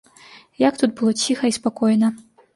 Як тут было ціха і спакойна!